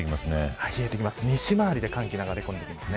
西回りで寒気が流れ込んできますね。